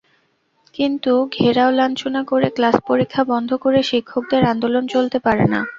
কিন্তু ঘেরাও-লাঞ্ছনা করে, ক্লাস-পরীক্ষা বন্ধ করে শিক্ষকদের আন্দোলন চলতে পারে না।